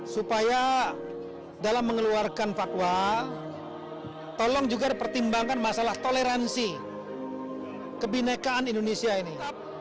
supaya dalam mengeluarkan fatwa tolong juga dipertimbangkan masalah toleransi kebinekaan indonesia ini